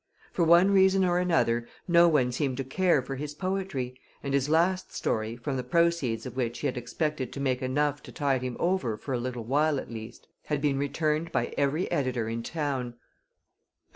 For one reason or another no one seemed to care for his poetry, and his last story, from the proceeds of which he had expected to make enough to tide him over for a little while at least, had been returned by every editor in town.